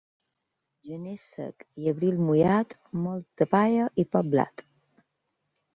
Gener sec i abril mullat, molta palla i poc blat.